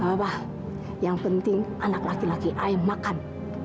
gak apa apa yang penting anak laki laki aik makan